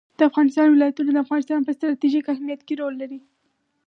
د افغانستان ولايتونه د افغانستان په ستراتیژیک اهمیت کې رول لري.